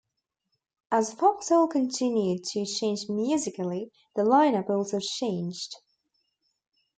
As Foxhole continued to change musically, the lineup also changed.